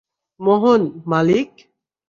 মোহন - মালিক?